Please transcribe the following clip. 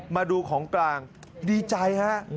มาดูของกลางดีใจฮะ